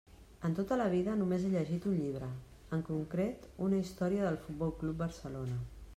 En tota la vida només he llegit un llibre, en concret una història del Futbol Club Barcelona.